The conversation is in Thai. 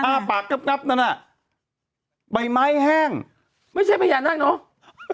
อ้าปากงับงับนั่นน่ะใบไม้แห้งไม่ใช่พญานาคเนอะ